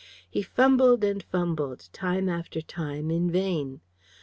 He fumbled and fumbled, time after time, in vain.